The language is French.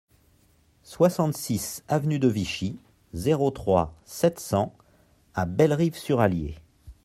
soixante-six avenue de Vichy, zéro trois, sept cents à Bellerive-sur-Allier